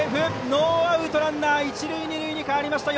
ノーアウト、ランナー一塁二塁に変わりました。